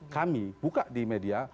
kami buka di media